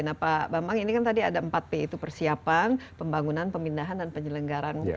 nah pak bambang ini kan tadi ada empat p itu persiapan pembangunan pemindahan dan penyelenggaran